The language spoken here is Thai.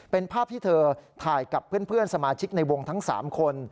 เป็นภาพที่เธอถ่ายกับเพื่อนสมาชิกในวงทั้ง๓คน